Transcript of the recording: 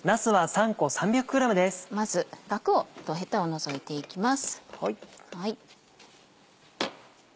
まずガクとヘタを除いていきます。